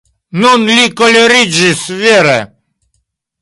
Nun li koleriĝis vere.